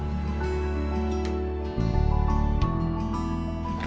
ya terima kasih